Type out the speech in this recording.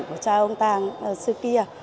của cha ông tàng xưa kia